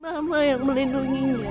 mama yang melindunginya